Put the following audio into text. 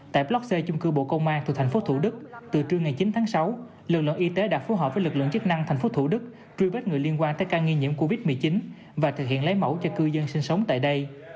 tại block c chung cư bộ công an tp thủ đức từ trưa ngày chín tháng sáu lực lượng y tế đã phối hợp với lực lượng chức năng tp thủ đức truy bếp người liên quan tới ca nghi nhiễm covid một mươi chín và thực hiện lấy mẫu cho cư dân sinh sống tại đây